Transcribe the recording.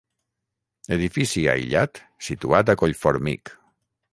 Edifici aïllat situat a Collformic.